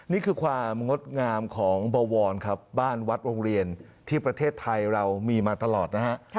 นี่คือความงดงามของบวรครับบ้านวัดโรงเรียนที่ประเทศไทยเรามีมาตลอดนะฮะ